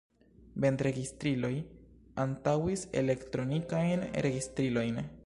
Bendregistriloj antaŭis elektronikajn registrilojn.